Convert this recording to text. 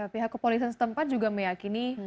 pihak kepolisian setempat juga meyakini